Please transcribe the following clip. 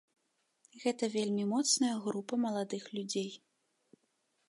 Гэта вельмі моцная група маладых людзей.